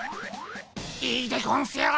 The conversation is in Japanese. いいでゴンスよ！